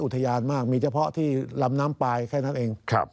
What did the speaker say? ทยานมากมีเฉพาะที่ลำน้ำปลายแค่นั้นเอง